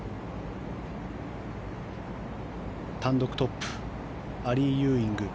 単独トップアリー・ユーイング。